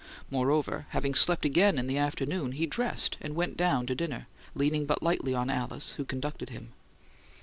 Moreover, having slept again in the afternoon, he dressed and went down to dinner, leaning but lightly on Alice, who conducted him.